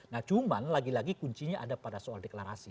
nah cuman lagi lagi kuncinya ada pada soal deklarasi